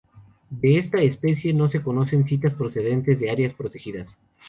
De esta especie, no se conocen citas procedentes de áreas protegidas.